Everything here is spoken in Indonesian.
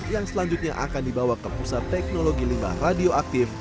yang selanjutnya akan dibawa ke pusat teknologi limbah radioaktif